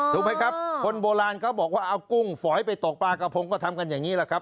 ถูกไหมครับคนโบราณเขาบอกว่าเอากุ้งฝอยไปตกปลากระพงก็ทำกันอย่างนี้แหละครับ